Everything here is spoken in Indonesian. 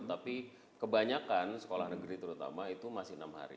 tapi kebanyakan sekolah negeri terutama itu masih enam hari